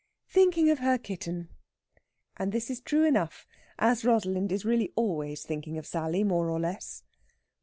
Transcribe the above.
"Thinking of her kitten." And this is true enough, as Rosalind is really always thinking of Sally, more or less.